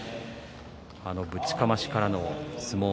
あの、ぶちかましからの相撲。